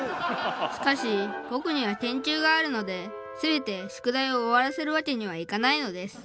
しかしぼくには研究があるのですべて宿題をおわらせるわけにはいかないのです。